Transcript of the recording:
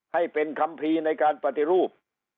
ให้เป็นคำพีในการปฏิรูป